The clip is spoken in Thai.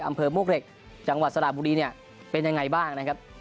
อำเภอมวกเหล็กจังหวัดสระบุรีเนี่ยเป็นยังไงบ้างนะครับ